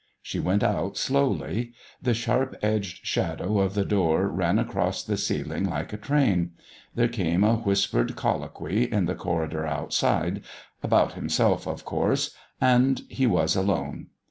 She went out slowly. The sharp edged shadow of the door ran across the ceiling like a train. There came a whispered colloquy in the corridor outside, about himself, of course, and he was alone.